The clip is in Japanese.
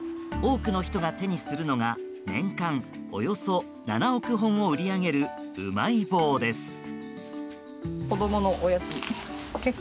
多くの人が手にするのが年間およそ７億本を売り上げるうまい棒です。